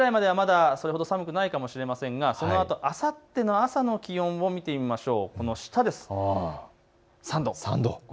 夕方ぐらいまではそれほど寒くないかもしれませんがそのあと、あさっての朝の気温を見てみましょう。